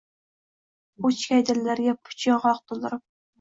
O’chgay, dillarga puch yong’oq to’ldirib.